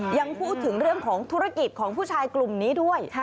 ยังพูดถึงเรื่องของธุรกิจของผู้ชายกลุ่มนี้ด้วย